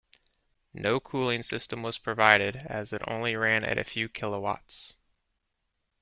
No cooling system was provided as it only ran at a few kilowatts.